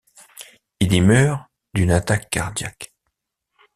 Il y meurt d'une attaque cardiaque.